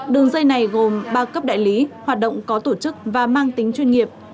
đường dây này gồm ba cấp đại lý hoạt động có tổ chức và mang tính chuyên nghiệp